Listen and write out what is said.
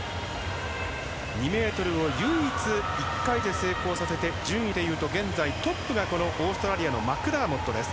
２ｍを唯一１回で成功させて順位で言うと現在トップがオーストラリアのマクダーモットです。